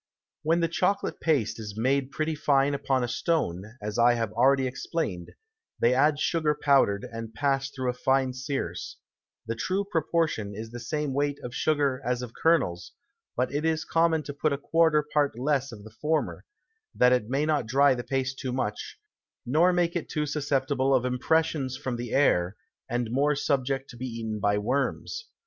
When the Chocolate Paste is made pretty fine upon a Stone, as I have already explain'd, they add Sugar powdered and passed through a fine Searce; the true Proportion is the same Weight of Sugar as of Kernels, but it is common to put a quarter part less of the former, that it may not dry the Paste too much, nor make it too susceptible of Impressions from the Air, and more subject to be eaten by Worms.